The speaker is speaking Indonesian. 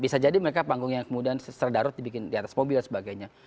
bisa jadi mereka panggungnya yang kemudian serdarut dibikin di atas mobil dan sebagainya